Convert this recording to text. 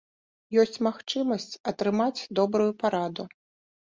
Ёсць магчымасць атрымаць добрую параду.